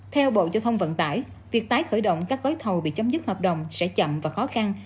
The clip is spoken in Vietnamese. theo bộ giao thông vận tải việc tái khởi động các gói thầu bị chấm dứt hợp đồng sẽ chậm và khó khăn